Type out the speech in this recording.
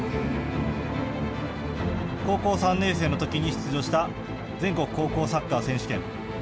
高校３年生のときに出場した全国高校サッカー選手権。